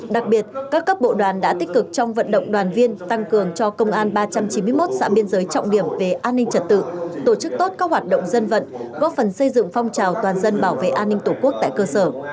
đặc biệt các cấp bộ đoàn đã tích cực trong vận động đoàn viên tăng cường cho công an ba trăm chín mươi một xã biên giới trọng điểm về an ninh trật tự tổ chức tốt các hoạt động dân vận góp phần xây dựng phong trào toàn dân bảo vệ an ninh tổ quốc tại cơ sở